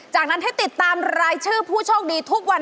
จากนั้นให้ติดตามรายชื่อผู้โชคดีทุกวัน